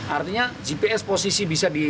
artinya gps posisi bisa di